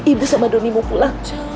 ibu sama doni mau pulang